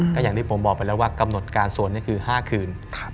ก็อย่างที่ผมบอกไปแล้วว่ากำหนดการสวดนี่คือ๕คืน